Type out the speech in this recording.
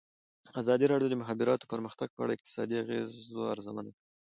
ازادي راډیو د د مخابراتو پرمختګ په اړه د اقتصادي اغېزو ارزونه کړې.